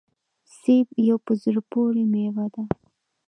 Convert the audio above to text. سيب يوه په زړه پوري ميوه ده